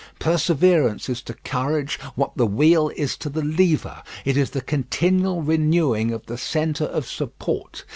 Perseverance is to courage what the wheel is to the lever; it is the continual renewing of the centre of support.